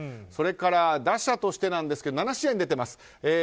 それから打者としてなんですけど７試合に出てます。